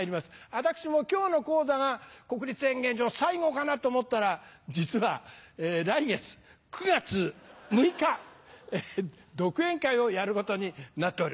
私も今日の高座が国立演芸場最後かなと思ったら実は来月９月６日独演会をやることになっております。